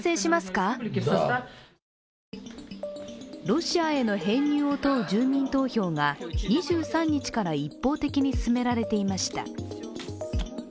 ロシアへの編入を問う住民投票が２３日から一方的に進められていました。